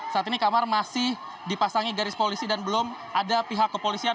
saat ini kamar masih dipasangi garis polisi dan belum ada pihak kepolisian